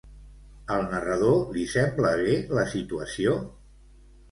Al narrador li sembla bé la situació?